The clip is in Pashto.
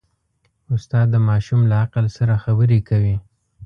استاد د ماشوم له عقل سره خبرې کوي.